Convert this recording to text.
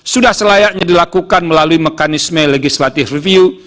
sudah selayaknya dilakukan melalui mekanisme legislative review